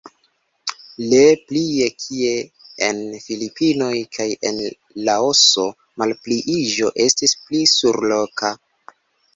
Ie plie, kie en Filipinoj kaj en Laoso, malpliiĝo estis pli surloka.